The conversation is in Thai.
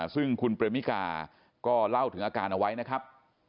ซึ่งคุณเปรมิกาก็เล่าถึงอาการเอาไว้นะครับ